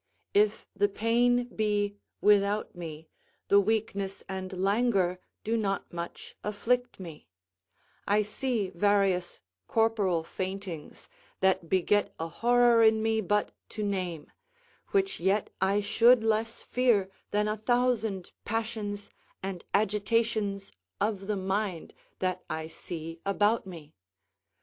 If the pain be without me, the weakness and languor do not much afflict me; I see various corporal faintings, that beget a horror in me but to name, which yet I should less fear than a thousand passions and agitations of the mind that I see about me.